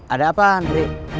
ada apa andri